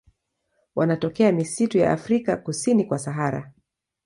Wanatokea misitu ya Afrika kusini kwa Sahara.